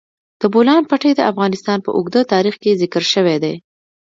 د بولان پټي د افغانستان په اوږده تاریخ کې ذکر شوی دی.